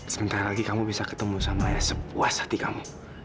sebentar lagi kamu bisa ketemu sama ya sepuas hati kamu